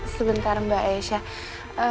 sebentar mbak aisyah